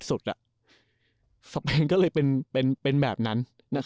สเปนก็เลยเป็นแบบนั้น